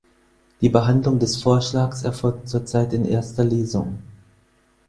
Die Behandlung des Vorschlags erfolgt zur Zeit in erster Lesung.